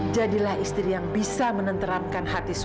jadilah istri yang bisa menenteramkan hati suami